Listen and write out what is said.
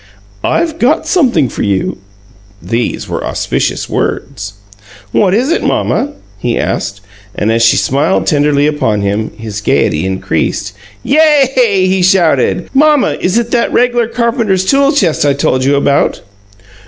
"I've got something for you!" These were auspicious words. "What is it, Mamma?" he asked, and, as she smiled tenderly upon him, his gayety increased. "Yay!" he shouted. "Mamma, is it that reg'lar carpenter's tool chest I told you about?"